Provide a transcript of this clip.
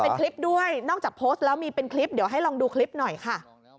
เป็นคลิปด้วยนอกจากโพสต์แล้วมีเป็นคลิปเดี๋ยวให้ลองดูคลิปหน่อยค่ะ